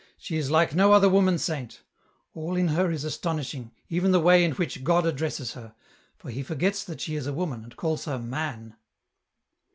" She is like no other woman saint ; all in her is astonishing, even the way in which God addresses her, for He forgets that she is a woman, and calls her ' man.'